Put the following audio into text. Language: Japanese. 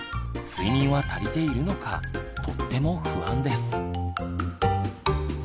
睡眠は足りているのかとっても不安です。